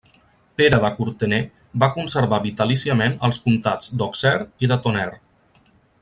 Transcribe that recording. Pere de Courtenay va conservar vitalíciament els comtats d'Auxerre i de Tonnerre.